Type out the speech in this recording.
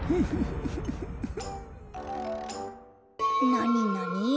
なになに？